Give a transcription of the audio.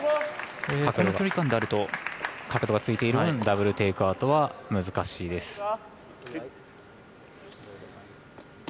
この距離感であると角度がついている分ダブル・テイクアウトは難しいです。